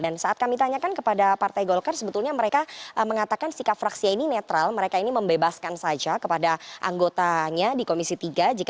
dan saat kami tanyakan kepada partai golkar sebetulnya mereka mengatakan sikap fraksia ini netral mereka ini membebaskan saja kepada anggotanya di komisi tiga